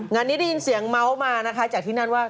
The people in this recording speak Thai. งานนี้ได้ยินเสียงเมาส์มานะคะจากที่นั่นว่า